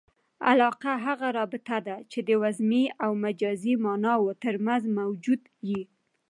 علاقه هغه رابطه ده، چي د وضمي او مجازي ماناوو ترمنځ موجوده يي.